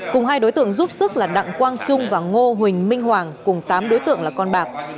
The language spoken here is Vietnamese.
cùng hai đối tượng giúp sức là đặng quang trung và ngô huỳnh minh hoàng cùng tám đối tượng là con bạc